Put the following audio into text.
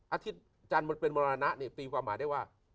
อาทิตย์จันทร์มันเป็นมรณะเนี่ยตีความหมายได้ว่า